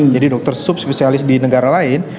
jadi dokter sub spesialis di negara lain